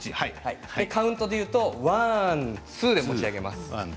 カウントでいうとワン、ツーで持ち上げます。